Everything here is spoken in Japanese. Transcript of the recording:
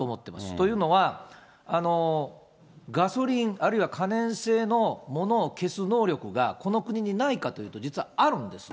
というのは、ガソリン、あるいは可燃性のものを消す能力がこの国にないかというと、実はあるんです。